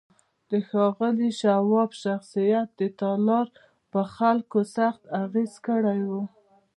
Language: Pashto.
د ښاغلي شواب شخصیت د تالار پر خلکو سخت اغېز کړی و